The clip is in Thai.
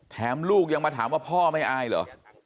ลูกยังมาถามว่าพ่อไม่อายเหรอ